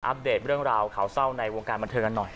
เดตเรื่องราวข่าวเศร้าในวงการบันเทิงกันหน่อย